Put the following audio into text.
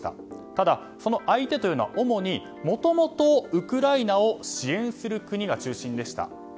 ただ、その相手というのは主にもともとウクライナを支援する国が中心でした。